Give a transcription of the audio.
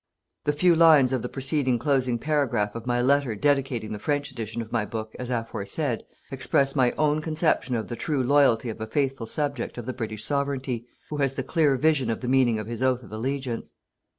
The few lines of the preceding closing paragraph of my letter dedicating the French edition of my book as aforesaid, express my own conception of the true loyalty of a faithful subject of the British Sovereignty, who has the clear vision of the meaning of his oath of allegiance.